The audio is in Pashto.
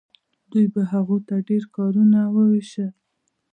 دوی به هغو ته ډیر کارونه ویشل.